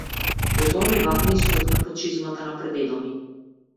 Потоа ме бакна и скокна под чизмата на прадедо ми.